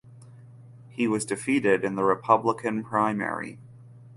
He was defeated in the Republican primary.